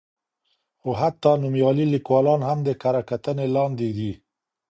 خو حتی نومیالي لیکوالان هم د کره کتنې لاندې دي.